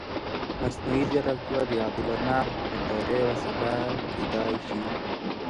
مصنوعي ځیرکتیا د عادلانه حکومتدارۍ وسیله کېدای شي.